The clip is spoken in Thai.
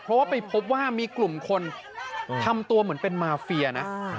เพราะว่าไปพบว่ามีกลุ่มคนทำตัวเหมือนเป็นมาเฟียนะ